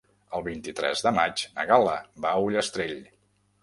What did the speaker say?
El vint-i-tres de maig na Gal·la va a Ullastrell.